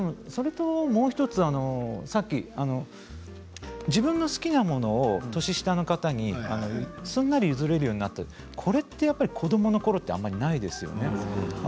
もう１つ、自分の好きなものを年下の方にすんなり譲れるようになったこれって子どものころはあまりないですよね。